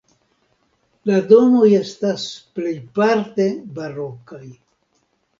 La domoj estas plejparte barokaj.